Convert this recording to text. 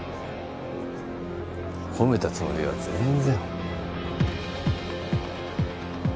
褒めたつもりは全然。